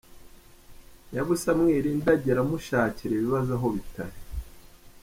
Nyabusa mwirindagira mushakira ibibazo aho bitari.